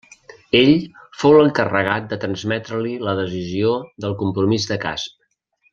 Ell fou l'encarregat de transmetre-li la decisió del compromís de Casp.